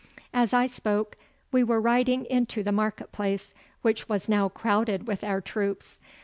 As I spoke we were riding into the market place, which was now crowded with our troops.